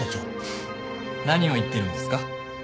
フッ何を言ってるんですか？